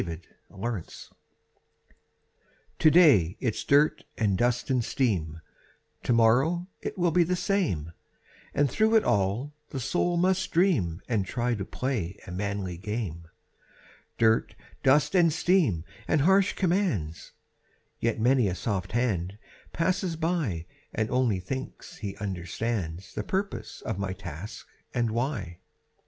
THE WORKMAN'S DREAM To day it's dirt and dust and steam, To morrow it will be the same, And through it all the soul must dream And try to play a manly game; Dirt, dust and steam and harsh commands, Yet many a soft hand passes by And only thinks he understands The purpose of my task and why.